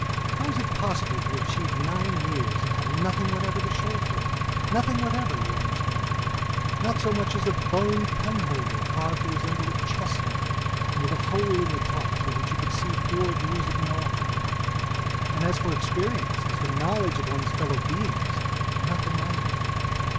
How is it possible to have achieved nine years and to have nothing whatever to show for it? Nothing whatever, you understand. Not so much as a bone penholder, carved to resemble a chessman and with a hole in the top through which you could see four views of Nauheim. And, as for experience, as for knowledge of one's fellow beingsnothing either.